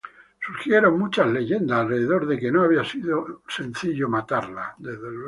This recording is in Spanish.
Surgieron muchas leyendas alrededor de que no había sido sencillo matarla.